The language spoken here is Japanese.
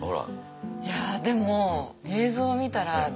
いやでも映像見たら。